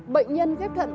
bệnh nhân ghép thận